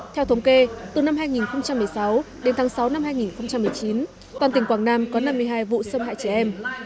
theo thống kê từ năm hai nghìn một mươi sáu đến tháng sáu năm hai nghìn một mươi chín toàn tỉnh quảng nam có năm mươi hai vụ xâm hại trẻ em